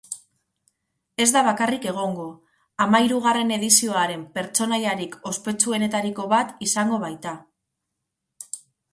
Ez da bakarrik egongo, hamahirugarren edizioaren pertsonaiarik ospetsuenetariko bat izango baita.